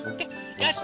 よし！